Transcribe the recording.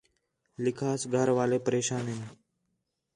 لَکھاس گھر والے پریشان ہِن